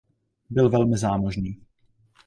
Byl velmi zámožný.